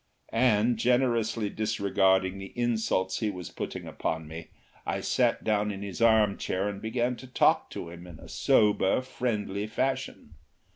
And generously disregarding the insults he was putting upon me, I sat down in his armchair and began to talk to him in a sober, friendly fashion.